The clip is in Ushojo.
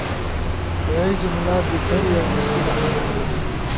کہ ایک جملہ بیکھری یا مشکل ہنی،